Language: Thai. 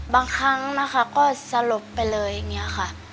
บางครั้งนะคะก็สลบไปเลยอย่างนี้ค่ะ